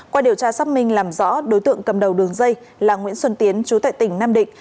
qua điều tra xác minh làm rõ đối tượng cầm đầu đường dây là nguyễn xuân tiến chú tại tỉnh nam định